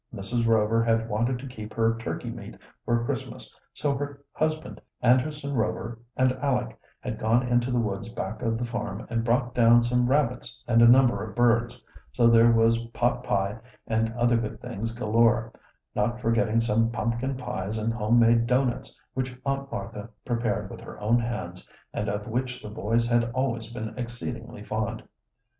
Mrs. Rover had wanted to keep her turkey meat for Christmas, so her husband, Anderson Rover, and Aleck had gone into the woods back of the farm and brought down some rabbits and a number of birds, so there was potpie and other good things galore, not forgetting some pumpkin pies and home made doughnuts, which Aunt Martha prepared with her own hands and of which the boys had always been exceedingly fond.